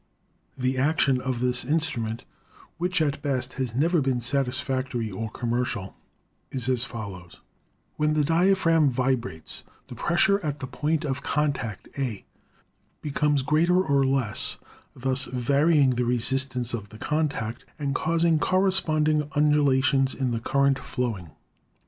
The action of this instrument (which at best has never been satisfactory or commercial) is as follows: When the diaphragm vibrates, the pressure at the point of contact, a, becomes greater or less, thus varying the resistance of the contact and causing corresponding undulations in the current flowing.